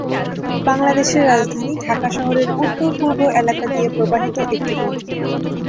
বাংলাদেশের রাজধানী ঢাকা শহরের উত্তর-পূর্ব এলাকা দিয়ে প্রবাহিত একটি নদী।